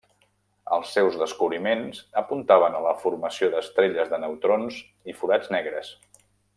Els seus descobriments apuntaven a la formació d'estrelles de neutrons i forats negres.